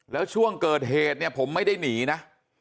แล้วช่วงเกิดเหตุเนี่ยผมไม่ได้หนีนะ